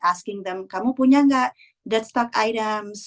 asking them kamu punya nggak dead stock items